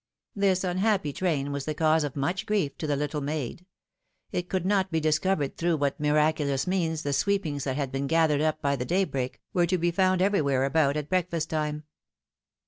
This unhappy train was the cause of much grief to the little maid ; it could not be discovered through what miraculous means the sweepings that had been gathered up by daybreak, were to be found everywhere about at philomj^ne's mahriages. 207 breakfast time.